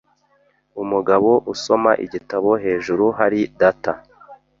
Umugabo usoma igitabo hejuru hari data.